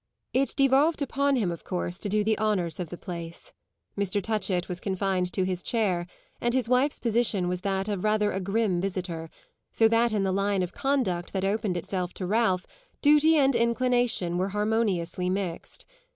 It devolved upon him of course to do the honours of the place. Mr. Touchett was confined to his chair, and his wife's position was that of rather a grim visitor; so that in the line of conduct that opened itself to Ralph duty and inclination were harmoniously mixed.